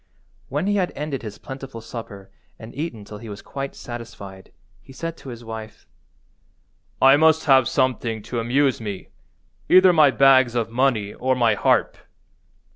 When he had ended his plentiful supper and eaten till he was quite satisfied, he said to his wife— "I must have something to amuse me, either my bags of money or my harp."